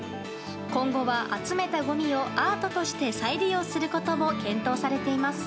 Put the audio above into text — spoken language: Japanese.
今後は集めたごみをアートとして再利用することも検討されています。